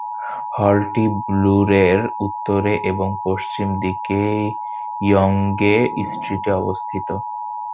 হলটি ব্লুরের উত্তরে এবং পশ্চিম দিকে ইয়ঙ্গে স্ট্রিটে অবস্থিত।